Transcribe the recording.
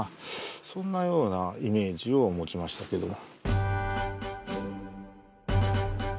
そんなようなイメージを持ちましたけども。